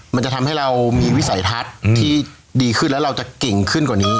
มันจะทำให้เรามีวิสัยทัศน์ที่ดีขึ้นแล้วเราจะเก่งขึ้นกว่านี้